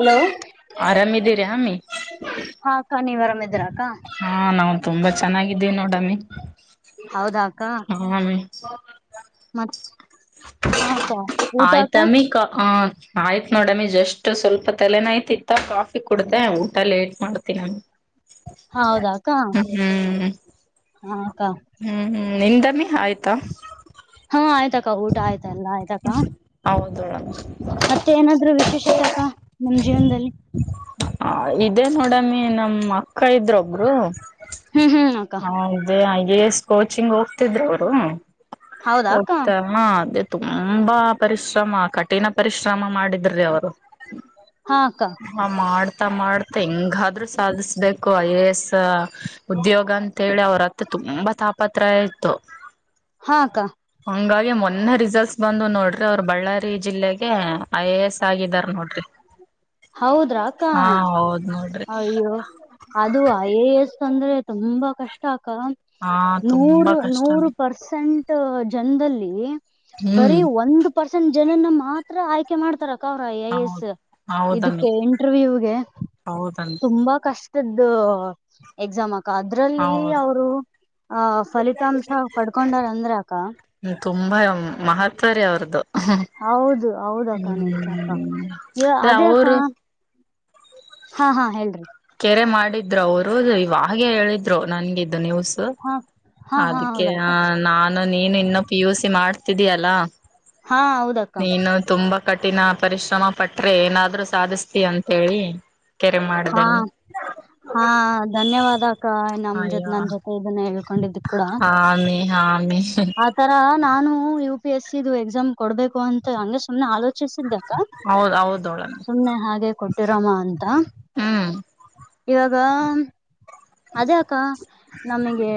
Hello ಆರಾಮಿದೀರ ಆಮಿ ಹಾ ಅಕ್ಕ ನೀವ್ ಆರಾಮ ಇದ್ರ ಅಕ್ಕ ಹಾ ನಾವು ತುಂಬಾ ಚೆನ್ನಾಗಿದ್ದೀವಿ ನೋಡಮ್ಮಿ ಹೌದಾ ಅಕ್ಕ ಹ್ಮ್ ಮತ್ ಹಾ ಅಕ್ಕ ಊಟ ಅಕ್ಕ ತಮಿಕ ಆ ಆಯ್ತ್ ನೋಡಮಿ ಜಸ್ಟ್ ಸ್ವಲ್ಪ ತಲೆನೊಯ್ತಿತ್ತು ಕಾಫಿ ಕುಡದೆ ಊಟ ಲೇಟ್ ಮಾಡ್ತನಮಿ ಹ ಹೌದಾಕ್ಕ ಹಾ ಅಕ್ಕ ಹ್ಮ್ ಹ್ಮ್ ನಿಂದಮ್ಮಿ ಆಯ್ತಾ ಹಾ ಆಯ್ತಕ್ಕ ಊಟ ಆಯ್ತ ಎಲ್ಲಾ ಆಯ್ತಕ್ಕ ಹೌದು ಹೌದು [unintelligible] ಮತ್ತೆ ಏನಾದ್ರು ವಿಶೇಷತೆ ಅಕ್ಕ ನಿಮ್ ಜೀವನದಲ್ಲಿ ಹ ಇದೇ ನೋಡಮ್ಮಿ ನಮ್ಮ ಅಕ್ಕ ಇದ್ರೊಬ್ರು ಹ್ಮ್ ಹ್ಮ್ ಅಕ್ಕ ಹ ಅದೇ ಐ. ಎ. ಎಸ್ ಕೋಚಿಂಗ್ ಹೋಗ್ತಿದ್ರ ಅವ್ರು ಹೌದಾ ಅಕ್ಕ ಹೋಗ್ತ ಅದೇ ತುಂಬಾ ಪರಿಶ್ರಮ ಕಠಿಣ ಪರಿಶ್ರಮ ಮಾಡಿದ್ರು ರೀ ಅವರು ಹಾ ಅಕ್ಕಾ ಹಾ ಮಾಡ್ತಾ ಮಾಡ್ತಾ ಹೆಂಗಾದ್ರೂ ಸಾಧಿಸಬೇಕು ಐ ಎ ಎಸ್ ಉದ್ಯೋಗ ಆ ಅಂತೇಳಿ ಅವ್ರತ್ರ ತುಂಬಾ ತಾಪತ್ರಾಯ ಇತ್ತು ಹಾ ಅಕ್ಕ ಹಂಗಾಗಿ ಮೊನ್ನೆ ರಿಸಲ್ಟ್ಸ್ ಬಂದು ನೋಡ್ರಿ ಅವರು ಬಳ್ಳಾರಿ ಜಿಲ್ಲೆಗೆ ಐ ಎ ಎಸ್ ಆಗಿದಾರೆ ನೋಡ್ರಿ [inaudible] ಹೌದ್ರಾ ಅಕ್ಕ ಹಾ ಹೌದ್ ನೋಡ್ರಿ ಅಯ್ಯೋ ಅದು ಐ ಎ ಎಸ್ ಅಂದ್ರೆ ತುಂಬಾ ಕಷ್ಟ ಅಕ್ಕ ಹಾ ತುಂಬಾ ನೂರು ನೂರು ಕಷ್ಟನೇ ಪರ್ಸೆಂಟ್ ಜನದಲ್ಲಿ ಹ್ಮ್ ಬರೀ ಒಂದು ಪರ್ಸೆಂಟ್ ಜನನ್ನ ಮಾತ್ರ ಆಯ್ಕೆ ಮಾಡ್ತಾರ ಅಕ್ಕಾ ಅವ್ರು ಐ ಎ ಎಸ್ ಹೌದು ಹೌದಮ್ಮಿ ಇದಕ್ಕೆ ಇಂಟರ್ವ್ಯೂಗೆ ಹೌದಮ್ಮಿ ತುಂಬಾ ಕಷ್ಟದ್ದು ಎಕ್ಸಾಮ್ ಆ ಅಕ್ಕಾ ಅದ್ರಲ್ಲಿ ಹೌದು ಅವರು ಆಹ ಫಲಿತಾಂಶ ಪಡ್ಕೊಂದ್ರು ಅಂದ್ರೆ ಅಕ್ಕ ತುಂಬಾ ಮಹತ್ವರಿ ಅವರದ್ದು. ಹೌದು ಹೌದಕ್ಕ ಹ್ಮ ನಿಜ ಅಕ್ಕ ಹ್ಮ ಇ ಅ ಅದೇ ಅಕ್ಕ ಅವರು. ಹಾ ಹಾ ಹೇಳ್ರಿ. ಕೆರೆ ಮಾಡಿದ್ರು ಅವರು ಇವಾಗೆ ಹೇಳಿದ್ರು ನನಿಗೆ ನ್ಯೂಸ್ ಹಾ ಹಾ ಹಾ ಅದಿಕ್ಕೆ ಹೌದಕ್ಕ ನಾನ್ ನೀನು ಇನ್ನು ಪಿ ಯು ಸಿ ಮಾಡ್ತಿದೀಯಲ್ಲಾ ಹಾ ಹೌದು ಅಕ್ಕಾ ತುಂಬಾ ಕಠಿಣ ಪರಿಶ್ರಮ ಪಟ್ರೆ ಏನಾದ್ರರು ಸಾಧಿಸ್ತೀಯ ಅಂತೇಳಿ ಕೆರೆ ಹಾ ಮಾಡ್ದಮ್ಮಿ ಹಾ ಧನ್ಯವಾದ ಅಕ್ಕಾ ನಮ್ ಜೊತೆ ಅಯ್ಯೋ ನನ್ ಜೊತೆ ಇದನ್ನ ಹೇಳ್ಕೊಂಡಿದು ಕೂಡ ಹಾಮಿ ಹಾಮೀ [inaudible] ಆತರ ನಾನು ಯು ಪಿ ಎಸ್ಸಿದು ಎಕ್ಸಾಮ್ ಕೊಡ್ಬೇಕು ಅಂತ ಹಂಗೆ ಸುಮ್ನೆ ಆಲೋಚಿಸಿದ್ದಕ್ಕ ಹೌದ್ ಹೌದ್ ನೋಡು ಸುಮಮ್ಮನೆ ಹಾಗೆ ಕೊಟ್ಟಿರೋಮ್ಮ ಅಂತ ಹ್ಮ್ ಇವಾಗ. ಅದೇ ಅಕ್ಕ ನಮಗೆ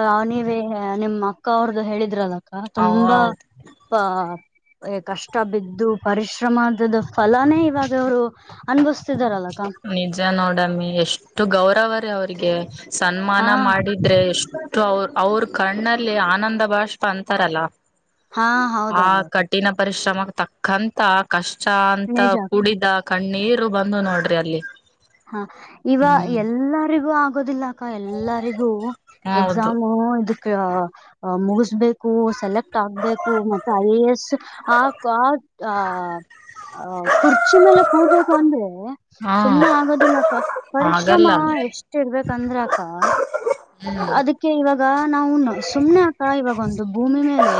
ಅ ನೀವೇ ನಿಮ್ಮ್ ಅಕ್ಕ ಅವ್ರ್ದು ಹೇಳಿದ್ರಲ್ಲ ಹೌ ಆತುಂಬಾ ಹೌದು ಆ ಕಷ್ಟ ಬಿದ್ದು ಪರಿಶ್ರಮದ ಫಲನೇ ಇವಾಗ ಇವ್ರು ಅನುಭವಿಸ್ತಾಯಿದಾರಲ್ಲ ಅಕ್ಕಾ ನಿಜ ನೋಡಮ್ಮಿ ಎಷ್ಟು ಗೌರವ ರೀ ಅವ್ರಿಗೆ ಸನ್ಮಾನ ಹಾ ಮಾಡಿದ್ರೆ ಎಷ್ಟು ಅವ ಅವ್ರ ಕಣ್ಣಲ್ಲಿ ಆನಂದ ಭಾಷ್ಪ ಅಂತಾರಲ್ಲ. ಹಾ ಆ ಹೌದೌದಕ್ಕ ಕಠಿಣ ಪರಿಶ್ರಮ ತಕ್ಕಂತ ಕಷ್ಟ ಅಂತ ನಿಜ ಅಕ್ಕ. ಕೂಡಿದ ಕಣ್ಣೀರು ಬಂತು ನೋಡ್ರಿ ಅಲ್ಲಿ ಹಾ ಇವ ಹ್ಮ್ ಎಲ್ಲಾರಿಗೂ ಆಗೋದಿಲ್ಲ ಅಕ್ಕ ಎಲ್ಲರಿಗೂ ಹೌದು ಎಕ್ಸಾಮು ಇದಕ್ಕೆ ಮುಗಿಸ್ಬೇಕು ಸೆಲೆಕ್ಟ್ ಆಗ್ಬೇಕು ಮತ್ತೆ ಐ ಎ ಎಸ್ ಆ ಆ ಆ ಕುರ್ಚಿ ಮೇಲೆ ಕೂರಬೇಕು ಅಂದ್ರೆ ಹಾ ಸುಮ್ನೆ ಆಗೋದಿಲ್ಲ ಅಕ್ಕ ಪರಿಶ್ರಮ ಆಗಲ್ಲ ಹ್ಮ್ ಎಷ್ಟ ಇರ್ಬೇಕಂದ್ರೆ ಅಕ್ಕ ಅದಕ್ಕೆ ಇವಾಗ ನಾವು ಸುಮ್ನೆ ಅಕ್ಕಾ ಇವಾಗೊಂದು ಭೂಮಿ ಮೇಲೆ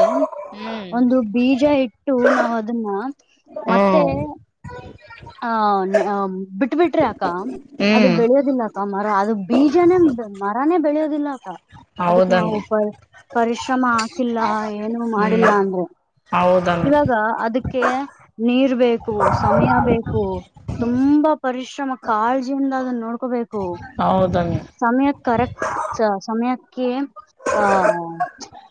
ಹ್ಮ್ ಒಂದು ಬೀಜ ಇಟ್ಟು ನಾವು ಅದನ್ನ ಮತ್ತೆ ಹ್ಮ್ ಆ ಬಿಟ್ ಬಿಟ್ರಿ ಅಕ್ಕ ಅದು ಬೆಳೆಯೋದಿಲ್ಲಕ್ಕ ಮರ ಅದು ಬೀಜನೇ ಮರನೇ ಬೆಳಿಯೋದಿಲ್ಲ ಅಕ್ಕ ಅದಕ್ ನಾವು ಹೌದನ್ನಿ ಪ ಪರಿಶ್ರಮ ಹಾಕಿಲ್ಲ ಏನು ಹ್ಮ್ ಮಾಡಿಲ್ಲ ಅಂದ್ರೆ ಹೌದನ್ನಿ ಇವಾಗ ಅದಕ್ಕೆ. ಕ ನೀರ್ ಬೇಕು ಸಮಯ ಬೇಕು. ತುಂಬಾ ಪರಿಶ್ರಮ ಕಾಳಜಿಯಿಂದ ಅದನ್ನ ನೋಡ್ಕೋಬೇಕ ಹೌದನ್ನ ಸಮಯ ಕರೆಕ್ಟ್ ಸಮಯಕ್ಕೆ ಆಹ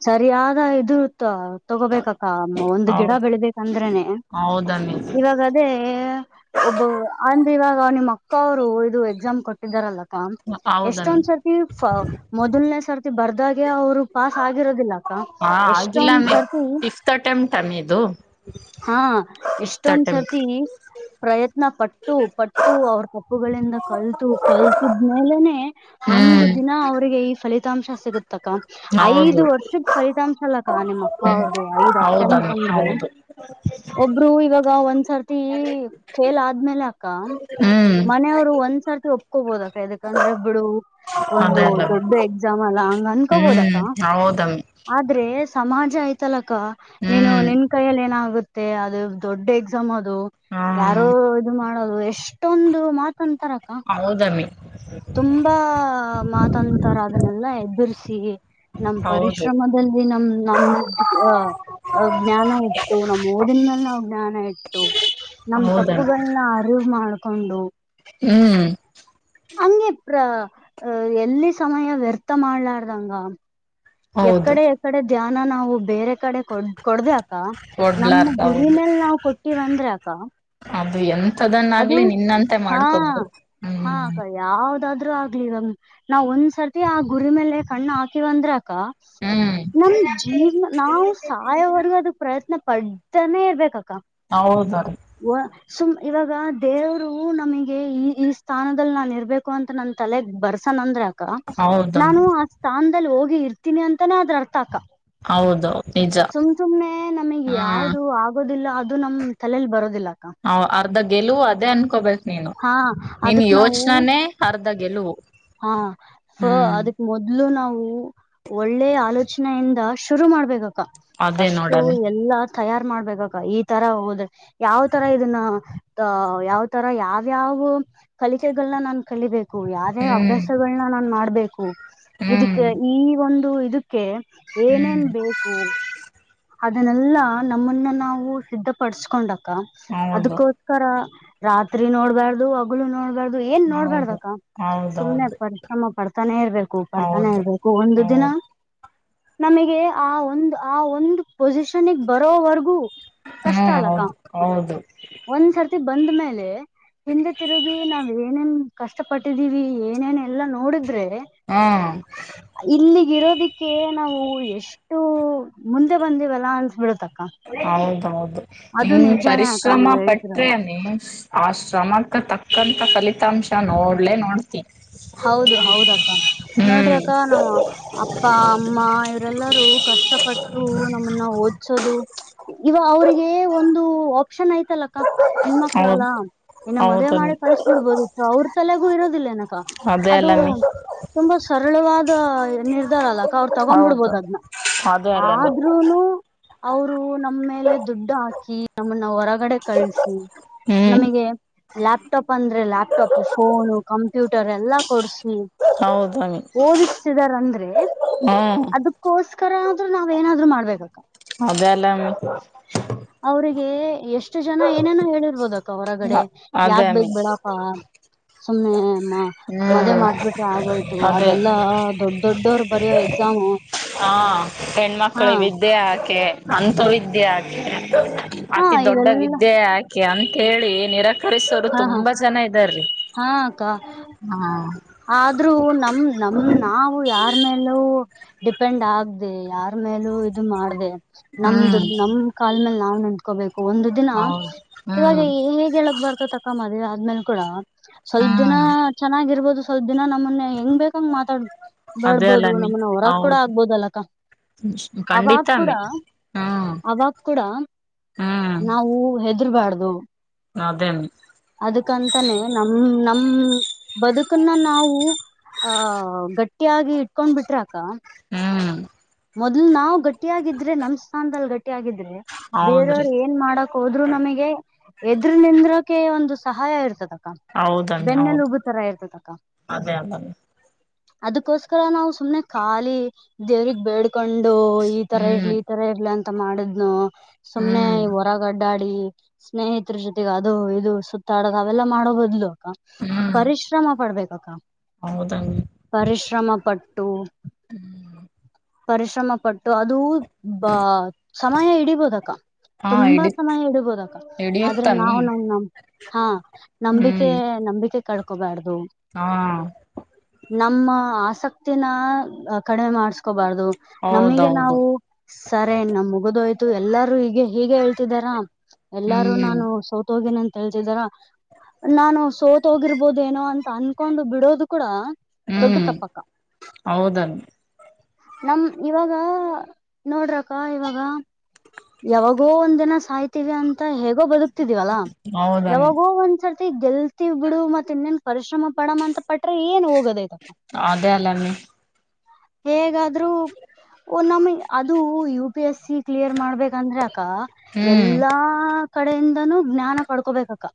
ಸರಿಯಾದ ಇದು ಇತ್ತು ತಗೋಬೇಕಕ್ಕ ಒಂದು ಗಿಡ ಹೌದು ಬೆಳಿಬೇಕಂದ್ರನೆ ಹೌದನ್ನಿ ಇವಾಗ ಅದೇ ಒಬ್ಬ ಅಂದ್ರೆ ಇವಾಗ ನಿಮ್ಮ್ ಅಕ್ಕ ಅವರು ಇದು ಎಕ್ಸಾಮ್ ಕೊಟ್ಟಿದಾರಲ್ಲಕ್ಕ ಹೌದನ್ನಿ ಎಷ್ಟೊಂದ್ಸರ್ ಮೊದಲನೇ ಸರ್ತಿ ಬರ್ದಾಗೆ ಅವ್ರು ಪಾಸ್ ಆಗಿರೋದಿಲ್ಲ ಹಾ ಆಗಿಲ್ಲಂದೇ ಫಿಫ್ತ್ ಅಟೆಂಟ್ ಅ ನೀದು ಹಾ ಎಷ್ಟೊಂದ್ಸರ್ತಿ ಪ್ರಯತ್ನ ಪಟ್ಟು ಪಟ್ಟು ಅವ್ರ ತಪ್ಪುಗಳಿಂದ ಕಲ್ತು ಕಲ್ತಿದ್ಮೇಲೆನೆ ಒಂದು ಹ್ಮ್ ದಿನ ಅವ್ರಿಗೆ ಈ ಫಲಿತಾಂಶ ಸಿಗತಕ್ಕ ಹೌದು ಐದು ವರ್ಷದ ಫಲಿತಾಂಶಲ್ಲಕ್ಕ ನಿಮ್ಮಕ್ಕ ಹ್ಮ್ ಅವ್ರ್ದು ಐದ್ ಅಪ್ಪ ಹೌದಮ್ಮಿ ಅಂತಂದ್ರೆ ಹೌದು ಒಬ್ಬ ಇರು ಇವಾಗ ಒಂದ್ಸರ್ತಿ ಹ ಫೇಲ್ ಆದ್ಮೇಲೆ ಅಕ್ಕ ಮನೆಯವ್ರು ಒಂದ್ಸರ್ತಿ ಒಪ್ಕೋಬೋದಕ್ಕ ಯದಕಂದ್ರೆ ಬಿಡು. ಒಂದು ಅದೇ ಅಲ್ಲ ದೊಡ್ಡ ಎಕ್ಸಾಮ್ ಅಲ್ಲ ಹಂಗ ಹ್ಮ್ ಅನ್ಕೊಬೋದಕ್ಕ. ಹೌದಮ್ಮಿ ಆದ್ರೆ ಸಮಾಜ ಐತಲಕ ನೀನು ಹ್ಮ್ ನಿನ್ ಕೈಯಲ್ಲಿ ಏನಾಗುತ್. ಮತ್ತೆ ಅದು ದೊಡ್ಡ ಎಕ್ಸಾಮ್ ಅದು ಹಾ ಯಾರೋ ಇದು ಮಾಡೋದು ಎಷ್ಟೊಂದು ಮಾತ್. ಅಂತರಕ. ಹೌದಾಮಿ. ತುಂಬಾ ಮಾತಾಂತರ ಅದನ್ನೆಲ್ಲ ಎಬರ್ರಿಸಿ. ನಮ್ ಹೌದು ಪರಿಶ್ರಮದಲ್ಲಿ ನಮ್ ನಮ್ ಅ. ಅಜ್ಞಾನ ಇಟ್ಟು ನಮ್ಮ ಓದಿನ ಮೇಲೆ ನಾವ್ ಜ್ಞಾನ ಇಟ್ಟು. ನಮ್ ಹೌದಣ್ಣ ತಪ್ಪುಗಳನ್ನ ಅರಿವು ಮಾಡ್ಕೊಂಡು. ಹ್ಮ್ ಹಂಗೆ ಪ್ರ ಎಲ್ಲಿ ಸಮಯ ವ್ಯರ್ಥ ಮಾಡ್ಲಾರ್ದಂಗ. ಹೌದು ಎಕಡೆ ಎಕಡೆ ಧ್ಯಾನ ನಾವು ಬೇರೆ ಕಡೆ ಕೊಡ್ ಕೊಡ್ದೇ ಅಕ್ಕ. ನಮ್ ಕೊಡ್ಲಾರ್ದ ಗುರಿ ಹೌದು ಮೇಲ್ ನಾವ್ ಕೊಟ್ಟಿವ ಅಂದ್ರ ಅಕ್ಕ. ಅದು ಎಂತದನ್ನ ಅದು ಆಗ್ಲಿ ನಿನ್ನಂತೆ ಮಾಡ್ಕೊಬೋ ಹ್ಮ್. ಯಾವ್ದಾದ್ರೂ ಆಗ್ಲಿವ ನಾವ್ ಒಂದ್ಸರ್ತಿ ಆ ಗುರಿ ಮೇಲೆ ಕಣ್ಣು ಹಾಕಿವ ಅಂದ್ರಕ. ಹ್ಮ್ ನಮ್ ಜೀವನ ನಾವು ಸಾಯವರೆಗೂ ಅದ. ಪ್ರಯತ್ನ ಪಡ್ತಾನೇ ಇರ್ಬೇಕಕ್ಕ ಹ ಹೌದ ರೀ ಒ ಸು ಇವಾಗ ದೇವರು ನಮಗೆ ಈ ಈ ಸ್ಥಾನದಲ್ಲಿ ನಾನು ಇರಬೇಕು ಅಂತ ನನ್ನ ತಲೆಗೆ ಬರ್ಸಣ ಅಂದ್ರೆ ಹೌದಮ್ಮ ನಾನು ಆ ಸ್ಥಾನದಲ್ಲಿ ಹೋಗಿ ಇರ್ತೀನಿ ಅಂತಾನೇ ಅದ್ರ ಅರ್ಥ ಅಕ್ಕ ಹೌದು ನಿಜ ಸುಮ್ ಸುಮ್ನೆ ನಮಗ್ ಹ್ಮ್ ಯಾವವುದು ಆಗೋದಿಲ್ಲ ಅದು ನಮ್ ತಲಲಿ ಬರೋದಿಲ್ಲ ಅಕ್ಕ. ಹ ಅರ್ಧ ಗೆಲುವು ಅದೇ ಅನ್ಕೋಬೇಕು ನೀನು ಹಾ ನಿನ್ ಅದಕ್ ನಾವು ಯೋಚನಾನೇ ಅರ್ಧ ಗೆಲುವು. ಹಾ ಸೊ ಹ್ಮ್ ಅದ. ಮೊದ್ಲು ನಾವು ಒಳ್ಳೆ ಆಲೋಚನೆಯಿಂದ ಶುರು ಮಾಡ್ಬೇಕ. ಅದೇ ಫಸ್ಟ್ ನೋಡಣ ಎಲ್ಲಾ ತಯಾರ್ ಮಾಡ್ಬೇಕಕ್ಕ ಈ ತರ ಹೋದರೆ. ಯಾವ ತರ ಇದನ್ನ ಅ ಯಾವ್ ತರ ಯಾವ್ಯಾವ. ಕಲಿಕೆಗಳನ್ನ ನಾನ್ ಕಲಿಬೇಕು ಯಾ. ಹೇ ಹ್ಮ್ ಅಭ್ಯಾಸಗಳನ್ನ ನಾ ಮಾಡ್ಬೇಕು ಹ್ಮ್ ಇದಕ್ಕೆ ಈ ಒಂದು ಇದಕ್ಕೆ. ಹ್ಮ್ ಏನೇನ್ ಬೇಕು. ಅದನ್ನೆಲ್ಲಾ ನಮ್ಮನ್ನ ನಾವು ಸಿದ್ಧಪಡಸ್ಕೊಂಡಕ ಹೌದು ಅದಕ್ಕೋ. [inaudible] ರಾತ್ರಿ ನೋಡ್ಬಾರ್ದು. ಮಗಳು ನೋಡ್ಬಾರ್ದು ಏನ್ ಹೌದು ನೋಡ್ಬಾರ್ದಕ ಸುಮ್ನೆ ಹೌದೌದು ಪರಿಶ್ರಮ ಪಡ್ತಾನೆ ಇರ್ಬೇಕು ಪಡ್ತಾನೆ ಹೌದು ಇರ್ಬೇಕು ಒಂದು ಹೌದು ದಿನ ನಮಗೆ ಆ ಒಂದು ಆ ಒಂದು ಪೊಸಿಷನ್ಗ್ ಬರೋವರ್ಗೂ ಕಷ್ಟ ಹ್ಮ್ ಅಲ್ಲಕ್ಕ ಹೌದು ಹೌದು ಒಂದ್ಸರ್ತಿ ಬಂದ್ಮೇಲೆ ಹಿಂದೆ ತಿರುಗಿ ನಾವ್ ಏನೇನ್ ಕಷ್ಟ ಪಟ್ಟಿದ್ದೀವಿ ಏನೇನೆ ಎಲ್ಲಾ ನೋಡಿದ್ರೆ ಹ್ಮ್ ಇಲ್ಲಿಗಿರೋದಿಕ್ಕೆ ನಾವು ಎಷ್ಟು ಮುಂದ ಬಂದೇವಲ್ಲ ಅನ್ಸ್ಬಿಡ ತಕ್ಕಾ ಹೌದೌದು ನಿಮ ಅಕ್ಕ ಪರಿಶ್ರಮ ನೀವ್ ಹೇಳ್ತಿರೋದು ಪಟ್ರೆ ನೀ ಆ ಶ್ರಮಕ್ಕೆ ತಕ್ಕಂತ ಫಲಿತಾಂಶ ನೋಡ್ಲೆೇ ನೋಡ್ತೀ ಹೌದು ಹೌದಕ್ಕ ನೋಡ್ರಕ್ಕ ನಾ ಅಪ್ಪ ಅಮ್ಮ ರೆಲ್ಲರೂ ಕಷ್ಟಪಟ್ಟು ನಮ್ಮನ್ನ ಓದ್ಿಸೋದು ಇವ ಅವ್ರಿಗೆ ಒಂದು ಆಪ್ಷನ್ ಐ್ತಲ್ಲಕ್ಕ ಹೆಣ್ಮಕ್ಳ ಹೌದು ಅಲ್ಲಾ ಇನ್ನು ಮದ್ವೆ ಮಾಡಿ ಹೌದನ್ನಿ ಕಳ್ಸ್ ಬಿಡ್ಬೋದು ಅವ್ರ ತಲೆಗೂ ಇರೋದಿಲ್ಲನಕ ಅದೇ ಅದು ಅಲ್ಲಮ್ಮಿ ತುಂಬಾ ಸರಳವಾದ ನಿರ್ಧಾರ ಅಲ್ಲಕ ಅವ್ರು ಹೌದು ತಗೊಂಡ್ಬಿಡ್ಬೋದು ಅದ್ನ್ನ ಅದೇ ಅಲ್ಲ ಇ ಅವರು ನಮ್ಮ ಮೇಲೆ ದುಡ್ಡು ಹಾಕಿ ನಮ್ಮನ್ನ ಹೊರಗಡೆ ಕಳ್ಸಿ ಹ್ಮ್ ನಮಗೆ ಲ್ಯಾಪ್ಟಾಪ್ ಅಂದ್ರೆ ಲ್ಯಾಪ್ಟ ಪ್ಟಾಪ್ ಫೋನು ಕಂಪ್ಯೂಟರ್ ಎಲ್ಲಾ ಕೊಡ್ಸಿ ಹೌದಮ್ಮಿ ಓದಿಸ್ತಿದಾರಂದ್ರೆ ಹ್ಮ್ ಅದು ಕೋಸ್ಕರ ಆದ್ರರು ನಾವ್ ಏನಾದ್ರು ಮಾಡ್ಬೇಕಕ್ಕ ಅದೆೇಲ್ಲ ಅವ್ರಿಗೆ ಎಷ್ಟು ಜನ ಏನೇನೋ ಹೇಳಿರ್ಬೋದಕ್ಕ ಹೊರಗಡೆ ಅದೇ ಯಾಕ್ ಬೇಕ್ ಅಮ್ಮಿ ಬೇಡ ಹಾ ಸುಮ್ಮನೆಮ್ಮ ಮದೆ ಹ್ಮ್ ಮಾಡ್ಬಿಟ್ರೆ ಆಗೋಯ್ತು ಅದೇ ಅದೆಲ್ಲಾ ದೊಡ್ ದೊಡ್ಡೋರು ಬರಯೋ ಎಕ್ಸಾಮು ಹಾ ಹಾ ಹೆಣ್ಮಕ್ಳುಿವಿದ್ದ ವಿದ್ಯ ಹಾಕೆ ಅಂಂತ ವಿದ್ಯೆ ಹಾಕ ಹಾ ಅತಿ ದೊಡ್ಡ ಇವೆಲ್ಲಾ ವಿದ್ಯೆ ಹಾಕೆ ಕೆ ಅಂತೇಳಿ ನಿರಾಕರಿಸೋರು ಹಾ ಹಾ ತುಂಬಾ ಜನ ಇದ್ದಾರೀ ಹಾ ಅಕ್ಕಾ ಹಾ ಆದ್ರೂ ನಮ್ ನಮ ನಾವು ಯಾರ ಮೇಲೂ ಡಿಪೆಂಡ್ ಆಗ್ದ ಯಾರ ಮೇಲೂ ಇದು ಮಾಡ್ದ ಹ್ಮ್ ನಮ್ದದುಡ್ ನಮ್ ಕಾಲ ಮೇಲೆ ನಾವ್ ನಂಂದಕೋಬೇಕು ಒಂದು ದಿನ ಹೌದು ಇವಾಗ ಹ್ಮ್ ಹೇಗೆ ಹೇಳಕ್ ಬರ್ತ ತ ಕ್ಕ ಮದುವೆ ಆದ್ಮೇಲೆ ಕೂಡ ಸ್ವಲ್ಪ ದಿನ ಹ್ಮ್ ಚೆನ್ನಾಗಿರ್ಬೋದು ಸ್ವಲ್ಪ ದಿನ ನಮ್ಮಲ್ಲಿ ಹೆಂಗ್ ಬೇಕಂಗ ಮಾತಾಡ್ ಅದೇ ಬಡ್ಬೋದು ಅಲ್ಲಮ್ಮಿ ನಮ್ಮನ ಹೊರಗ್ ಕೂಡ ಹೌದು ಆಗ್ಬೋದ ಅಲಕ್ಕ ಅವಾಗ ಕೂಡ ಖಂಡಿತಮ್ಮಿ ಹ್ಮ್ ಅವಾಗ ಕೂಡ ಹ್ಮ್ ನಾವು ಹೆದರ್ಬಾರ್ದು ಅದೇ ಅದಕಂತಾನೆ ನಮ ನಮ ಬದುಕನ್ನ ನಾವು ಆಹ ಗಟ್ಟಿಯಾಗಿ ಇಟ್ಕೊಂಡ್ ಬಿಟ್ರಕ್ಕ ಹ್ಮ್ ಮೊದ್ಲ್ ನಾವು ಗಟ್ಟಿಯಾಗಿದ್ರೆ ನಮ್ ಸ್ಥಾನ ಅಲ್ ಗಟ್ಟಿಿಯಾಗಿದ್ರೆ ಹೌದ್ರಿ ಬೇರೆಯವರು ಏನ್ ಏನ್ ಮಾಡಕ್ ಹೋದ್ರು ನಮಗೆ ಎದ್ರ ನಿಂದ್ರಕೆ ಒಂದು ಸಹಾಯ ಇರ್ತದ ಹೌದಮ್ಮಿ ಬೆನ್ನೆಲು ಹೌದು ಉಬುತರ ಇರ್ತದಕ್ಕ ಅದೇ ಅಲ್ಲಮ್ಮಿ ಅದಕ್ಕೋಸ್ಕರ ನಾವು ಸುಮ್ನೆ ಖಾಲಿ ದೇವ್ರಗ್ ಬೇಡ್ ಕೊಂಡು ಈ ತರ ಇರ್ಲಿ ಹ್ಮ್ ಈ ತರ ಇರ್ಲಿ ಅಂತ ಮಾಡಿದ್ನು ಸುಮ್ನೆ ಹ್ಮ್ ಹೊರಗಡ್ ಡಾಡಿ ಸ್ನೇಹಿತರ ಜೊತೆಗೆ ಅದು ಇದು ಸುತ್ತಾಡ ಅವೆಲ್ಲ ಮಾಡೋ ಬದ್ಲು ಪರಿಶ್ರಮ ಪಡ್ಬೇಕಕ್ಕ ಹೌದಂಗ ಪರಿಶ್ರಮ ಪಟ್ಟು ಹ್ಮ್ ಪರಿಶ್ರಮ ಪಟ್ಟು ಅದು ಬಾ ಸಮಯ ಇಡಿಬೋದಕ್ಕ ಹಾ ತುಂಬಾ ಹಿಡಿ ಸಮಯ ಇಡಿಬೋದಕ್ಕ ಆದ್ರೆ ಹಿಡಿಯುತ್ತಮ್ಮಿ ನಾವು ನ ನ ಹಾ ನಂಬಿಕೆ ಹ್ಮ್ ನಂಬಿಕೆ ಕಳ್ಕೋಬಾರ್ದು ಹಾ ನಮ್ಮ ಆಸಕ್ತಿನ ಕಡಿಮೆ ಮಾಡ್ಸ್ಕೋಬಾರ್ದು ನಮಗೆ ಹೌದೌದು ನಾವು ಸರಿ ನಮ ಮುಗದೋಯ್ತು ಎಲ್ಲಾರೂ ಹೀಗೆ ಹೀಗೆ ಹೇಳ್ತಿದಾರ ಎಲ್ಲಾರು ಹ್ಮ್ ನಾನು ಸೌತ್ ಹೋಗೇನಿ ಅಂತ ಹೇಳ್ತಿದಾರ ನಾನು ಸೋತ ಹೋಗಿರ್ಬೋದೇಏನೋ ಅಂತ ಅನ್ಕೊಂಡು ಬಿಡೋದು ಕೂಡ ದೊಡ್ಡ ತಪ್ಪಕ್ಕ ಹೌದನ್ ನಮ ಇವಾಗ ನೋಡ್ರಕ್ಕ ಇವಾಗ ಯಾವಾಗೋ ಒಂದಿನ ಸಾಯ್ತಿವಿ ಅಂತ ಮತ್ತೆ ಹೇಗೋ ಬದಕ್ತಿದ್ದಿವಿ ಅಲ್ವಾ ಹೌದಮ್ಮಿ ಯಾವಾಗೋ ಒಂದ್ಸರ್ತಿ ಗೆಲ್ತಿ ಬಿಡು ಮಗ ತಿನ್ನನ್ ಪರಿಶ್ರಮ ಪಡಮ ಅಂತ ಪಟ್ರೆ ಏನ್ ಹೋಗೋದೈತಪ್ಪ ಅದೇ ಅಲ್ಲಾಮಿ ಹೇಗಾದರೂ ಉನಮ್ಮಿ ಅದು ಯು ಪಿ ಎಸ್ಸ ಕ್ಲಿಯರ್ ಮಾಡ್ಬೇಕಂದ್ರೆ ಅಕ್ಕ ಹ್ಮ್ ಎಲ್ಲಾ ಎಲ್ಲಾ ಕಡೆಯಿಂದಾನೂ ಜ್ಞಾನ ಪಡ್ಕೋಬೇಕು ಅಕ್ಕ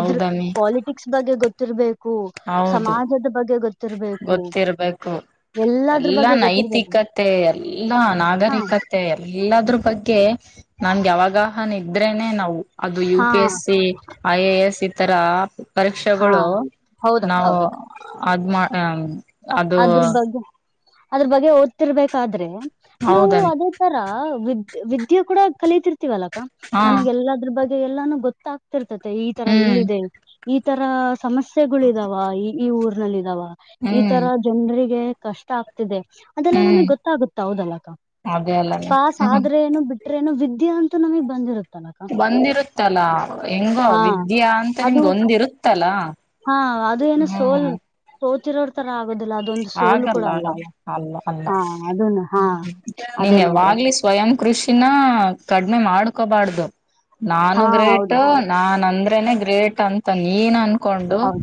ಇದ್ರೆ ಕಾಲಿ ಫಿಸಿಕ್ಸ್ ಬಗ್ಗೆ ಗೊತ್ತಿರಬೇಕು ಹೌದು ಸಮಾಜದ ಬಗ್ಗೆ ಗೊತ್ತಿರಬೇಕು ಗೊತ್ತಿರ್ಬೇಕು ಇರ್ಬೇಕು ಎಲ್ಲದ್ರ ಬಗ್ಗೆ ಎಲ್ಲಾ ಗೊತ್ತಿರ್ಬೇಕು ನೈತಿಕತೆ ಎಲ್ಲಾ ಹಾ ನಾಗರಿಕತೆ ಮತ್ತೆ ಎಲ್ಲದ್ರ ಬಗ್ಗೆ ನನ್ಗೆ ಯವಾಗಹ ನಿದ್ರೇನೆ ನಾವು ಅದು ಯು ಹಾ P S C I A S ಈ ತರ ಹಾ ಪರೀಕ್ಷೆಗಳು ಹೌದಕ್ ನಾವು ಹೌದಕ್ ಅದ್ ಮಾಡು ಹ ಅದ್ರ ಬಗ್ಗೆ ಅದ್ರ ಬಗ್ಗೆ ಓದ್ತಿರ್ಬೇಕಾದ್ರೆ ನಾವು ಹೌದನ್ ಅದೇ ಒಂತರ ವಿದ್ಯ ವಿದ್ಯೆ ಕೂಡ ಕಲಿತಿರ್ತೀವಿ ಅಲ್ಲ ಅಕ್ಕ ಹಾ ನಮಗೆಲ್ಲದ್ರ ಬಗ್ಗೆ ಎಲ್ಲಾನು ಗೊತ್ತ ಗೊತ್ತಾಗ್ತಿರ್ಟೈತೆ ಈ ತರ ಹ್ಮ್ ಇಲ್ಲಿದೆ ಈ ತರ ಸಮಸ್ಯೆಗಳ ಇದಾವ ಈ ಈ ಉರ್ನಲ್ಲಿ ಇದಾವ ಹೂಂ ಈ ತರ ಜನರಿಗೆ ಕಷ್ಟ ಆಗ್ತಿದೆ ಅದೆಲ್ಲಾ ಹ್ಮ್ ನಮಗೆ ಗೊತ್ತಾಗುತ್ತ ಹೌದಲ್ಲಕ್ಕ ಅದೇ ಅಲ್ಲನೆ ಪಾಸ್ ಹ್ಮ ಆದ್ರೆ ಏನು ಬಿಟ್ಟ ಟ್ರೇನು ವಿದ್ಯಾ ಅಂತ ನಮಗ್ ಬಂದಿರುತ್ತಾನ ಬಂದಿರುತ್ತಲಾ ಹೆಂಗೋ ಹಾ ವಿದ್ಯಾ ಅಂತ ನಿಮ್ಗೆ ಒಂದಿರುತ್ತಲ ಹ ಅದು ಏನ ಸೋಲ್ ಸೋತಿರೋ ತರ ಆಗೋದಿಲ್ಲ ಅದೊಂದು ಸೋಲು ಕೂಡ ಆಗಲ್ಲ ಅಲ್ಲ ಆಗಲ್ಲ ಅಲ್ಲ ಅಲ್ಲ ಹಾ ಅದನ್ನು ಹಾ ಅದೇ ನೀನ್ ನೋಡ್ರಿ ಯಾವಾಗ್ಲಿ ಸ್ವಯಂ ಕೃಷಿನ ಕಡಿಮೆ ಮಾಡ್ಕೋಬಾರ್ದು ನಾನು ಹಾ ಗ್ರೇಟ್ ಹೌದಕ್ಕ ನಾನ್ ಅಂದ್ರೇನೆ ಗ್ರೇಟ್ ಅಂತ ನೀನ್ ಅನ್ಕೊಂಡು ಹೌದು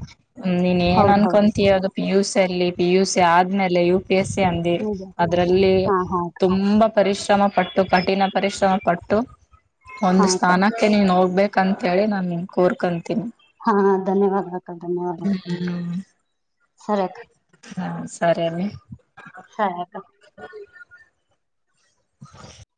ನೀನ್ ಏನ್ ಹೌದು ಹೌದು ಅನ್ಕೊಂತಿಯೊ ಅದು ಪಿ ಯು ಸಿ ಅಲ್ಲಿ ಪಿ ಯು ಸಿ ಆದ್ಮೇಲೆೆಯು ಪಿ ಎಸ್ ಸಿ ಅಂದಿರಿ ನಿಜ ಅದ್ರಲ್ಲಿ ಹಾ ಹಾ ಅಕ್ಕ, ತುಂಬಾ ಪರಿಶ್ರಮ ಪಟ್ಟು ಕಠಿಣ ಪರಿಶ್ರಮ ಪಟ್ಟು ಹಾ ಒಂದು ಅಕ್ಕ ಸ್ಥಾನ ಮತ್ತೆ ನೀನ್ ಹೋಗ್ಬೇಕ ಅಂತ ಹೇಳಿ ನಾನ್ ನಿನ್ ಕೋರ್ಕಂತೀನಿ ಹಾ ಧನ್ಯವಾದ ಅಕ್ಕ ಧನ್ಯವಾದ ಹ್ಮ್ ಸರಿ ಅಕ್ಕ ಹಾ ಸರಿ ಅಮ್ಮಿ ಸರಿ ಅಕ್ಕ ಹ [unintelligible]